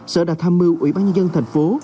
sở đã tham mưu ủy ban nhân dân thành phố